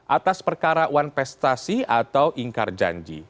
atas perkara wanpestasi atau ingkar janji